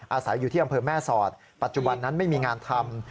อาศัยอยู่ที่อำเภอแม่สอดปัจจุบันนั้นไม่มีงานทำ